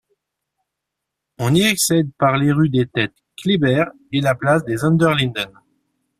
On y accède par les rues des Têtes, Kléber et la place des Unterlinden.